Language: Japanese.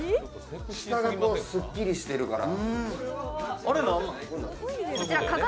下がすっきりしてるから。